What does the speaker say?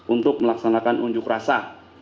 untuk melaksanakan unjuk rasa